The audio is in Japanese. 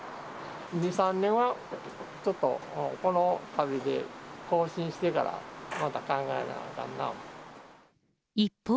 ２、３年はちょっとこのあれで更新してから、また考えなあかんな。